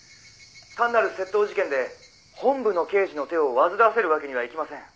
「単なる窃盗事件で本部の刑事の手を煩わせるわけにはいきません」